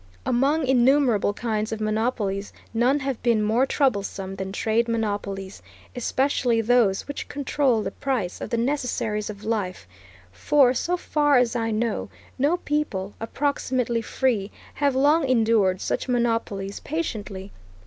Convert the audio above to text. Among innumerable kinds of monopolies none have been more troublesome than trade monopolies, especially those which control the price of the necessaries of life; for, so far as I know, no people, approximately free, have long endured such monopolies patiently.